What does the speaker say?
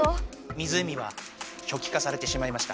湖はしょきかされてしまいました。